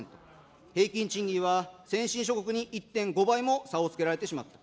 平均賃金は先進諸国に１．５倍も差をつけられてしまった。